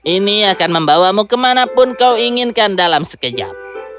ini akan membawamu kemanapun kau inginkan dalam sekejap